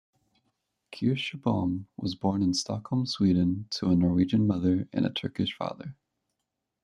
Kirsebom was born in Stockholm, Sweden, to a Norwegian mother and a Turkish father.